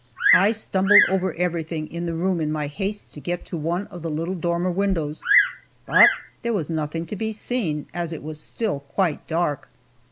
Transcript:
I stumbled over everything in the room in my haste to get to one of the little dormer windows, but there was nothing to be seen, as it was still quite dark.